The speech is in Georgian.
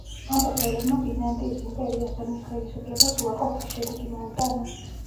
ამ ბრძოლებმა ბიზანტიის იმპერიას და მის ხელისუფლებას უარყოფითი შედეგი მოუტანა.